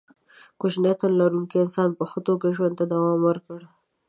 کوچني تن لرونکو انسانانو په ښه توګه ژوند ته دوام ورکړ.